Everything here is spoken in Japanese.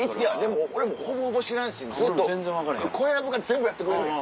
でも俺もほぼほぼ知らんし小籔が全部やってくれんねん。